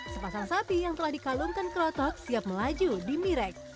sepasang sapi yang telah dikalungkan kerotok siap melaju di mirek